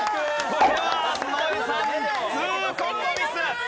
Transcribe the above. これは如恵留さん痛恨のミス。